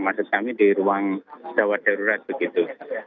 maksud kami di ruang jawab terurat begitu